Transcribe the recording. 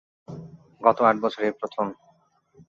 গত আট বছরে এই প্রথম।